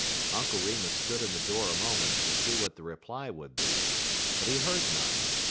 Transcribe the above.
Uncle Remus stood in the door a moment to see what the reply would be, but he heard none.